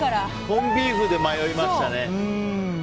コンビーフで迷いましたね。